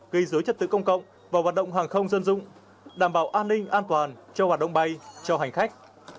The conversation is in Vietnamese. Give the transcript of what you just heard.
gây dối trật tự công cộng và hoạt động hàng không dân dụng đảm bảo an ninh an toàn cho hoạt động bay cho hành khách